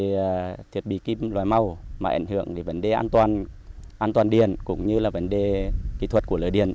thì thiết bị kim loại mau mà ảnh hưởng đến vấn đề an toàn điện cũng như là vấn đề kỹ thuật của lưới điện